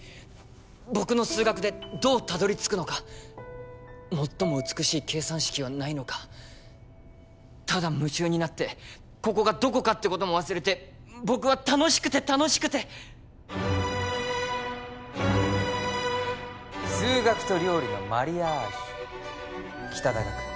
僕の数学でどうたどり着くのか最も美しい計算式はないのかただ夢中になってここがどこかってことも忘れて僕は楽しくて楽しくて数学と料理のマリアージュ北田岳